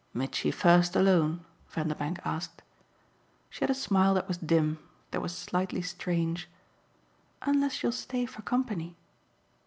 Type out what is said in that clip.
"Mitchy first alone?" Vanderbank asked. She had a smile that was dim, that was slightly strange. "Unless you'll stay for company."